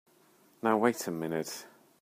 Now wait a minute!